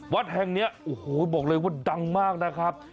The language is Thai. วัดแห่งนี้โอ้โหบอกเลยว่าดังมากนะครับ